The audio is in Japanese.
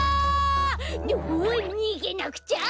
うおにげなくちゃ！